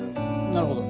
なるほど。